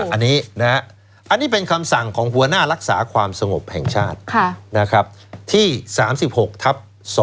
อันนี้เป็นคำสั่งของหัวหน้ารักษาความสงบแห่งชาติที่๓๖ทับ๒